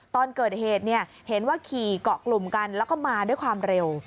ตอนเกิดเหตุเห็นว่าขี่เกาะกลุ่มกันแล้วก็มาด้วยความเร็ว